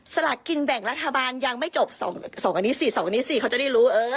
สลักกินแบ่งรัฐบาลยังไม่จบสองสองอันนี้สิสองอันนี้สิเขาจะได้รู้เออ